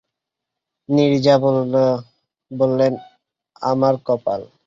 নীরজা বললে, আমার কপাল।